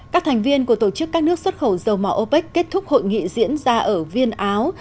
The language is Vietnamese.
các thành viên của tổ chức các nước xuất khẩu dầu mỏ opec kết thúc hội nghị diễn ra ở viên áo